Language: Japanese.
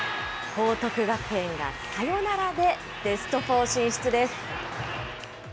報徳学園がサヨナラでベストフォー進出です。